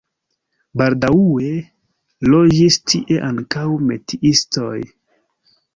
Baldaŭe loĝis tie ankaŭ metiistoj.